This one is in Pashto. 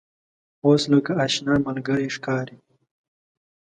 اوس لکه آشنا ملګری ښکاري.